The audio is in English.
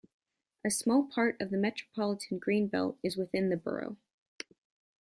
A small part of the Metropolitan Green Belt is within the borough.